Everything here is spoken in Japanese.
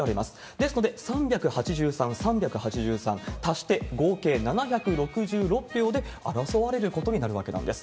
ですので３８３、３８３、足して合計７６６票で争われることになるわけなんです。